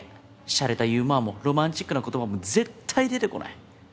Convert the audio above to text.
しゃれたユーモアもロマンチックな言葉も絶対出てこない。